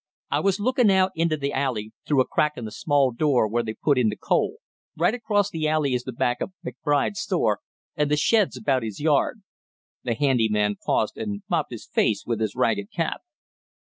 "I was lookin' out into the alley through a crack in the small door where they put in the coal; right across the alley is the back of McBride's store and the sheds about his yard " the handy man paused and mopped his face with his ragged cap.